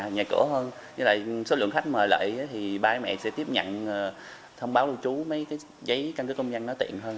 như là số lượng khách mời lệ thì ba mẹ sẽ tiếp nhận thông báo lưu trú mấy cái giấy căn cứ công dân nó tiện hơn